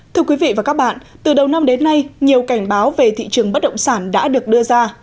thưa quý vị và các bạn từ đầu năm đến nay nhiều cảnh báo về thị trường bất động sản đã được đưa ra